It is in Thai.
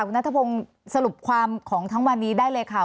คุณนัทพงศ์สรุปความของทั้งวันนี้ได้เลยค่ะ